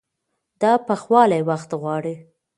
دا پخوالی وخت غواړي.